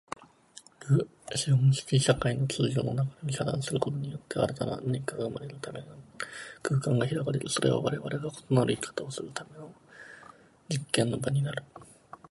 あらゆる占拠はコミューンである。資本主義社会の通常の流れを遮断することによって、新たな何かが生まれるための空間が開かれる。それはわれわれが異なる生き方をするための実験の場になる。